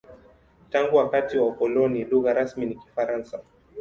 Tangu wakati wa ukoloni, lugha rasmi ni Kifaransa.